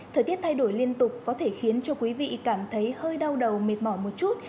thời tiết thay đổi liên tục có thể khiến cho quý vị cảm thấy hơi đau đầu mệt mỏ một chút